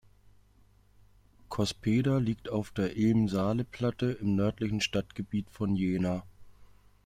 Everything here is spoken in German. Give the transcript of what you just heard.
Cospeda liegt auf der Ilm-Saale-Platte im nördlichen Stadtgebiet von Jena.